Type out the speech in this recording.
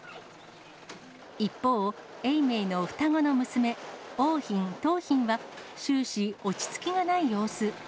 一方、永明の双子の娘、桜浜、桃浜は終始、落ち着きがない様子。